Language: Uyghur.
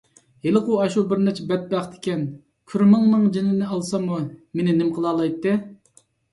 ھېلىغۇ ئاشۇ بىرنەچچە بەتبەخت ئىكەن، كۈرمىڭىنىڭ جېنىنى ئالساممۇ مېنى نېمە قىلالايتتى؟